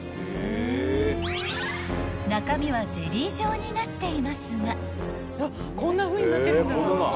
［中身はゼリー状になっていますが］